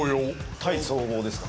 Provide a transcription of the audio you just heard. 対総合ですか。